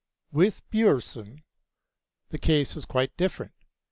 With Björnson the case is quite different.